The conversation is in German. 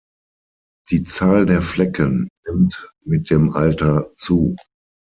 Die Zahl der Flecken nimmt mit dem Alter zu.